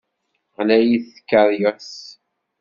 Ɣlayit tkeṛyas.